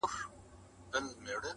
له عالمه پټ پنهان د زړه په ویر یم »،